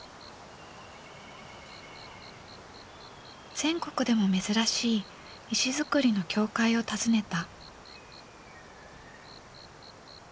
全国でも珍しい石造りの教会を訪ねた。